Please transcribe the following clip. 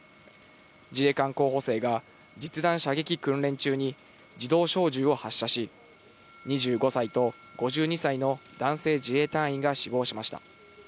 自衛官候補生が実弾射撃訓練中に自動小銃を発射し、２５歳と５２歳の男性自衛隊員が死亡しました。